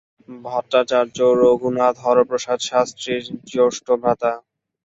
ভট্টাচার্য, রঘুনাথ হরপ্রসাদ শাস্ত্রীর জ্যেষ্ঠ ভ্রাতা।